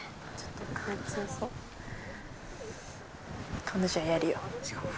ちょっと風強そう。